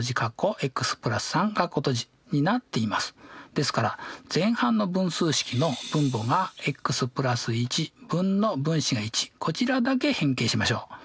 ですから前半の分数式の分母がｘ＋１分の分子が１こちらだけ変形しましょう。